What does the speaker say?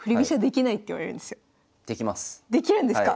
できるんですか！